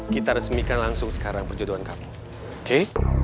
kita resmikan langsung sekarang perjodohan kami oke